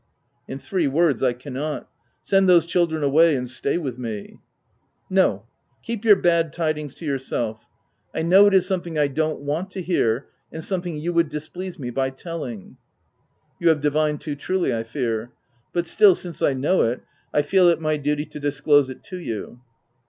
" In three words I cannot. Send those child ren away, and stay with me." " No ; keep your bad tidings to yourself. I OF WILDFELL HALL. 271 know it is something I don't want to hear, and something you would displease me by telling." " You have divined too truly I fear ; but still since I know it, I feel it my duty to disclose it to you."